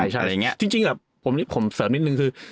ใช่จริงผมเสริมนิดนึงคือ